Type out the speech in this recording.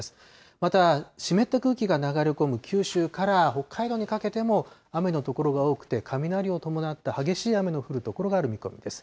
また、湿った空気が流れ込む九州から北海道にかけても雨の所が多くて、雷を伴った激しい雨の降る所がある見込みです。